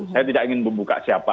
saya tidak ingin membuka siapa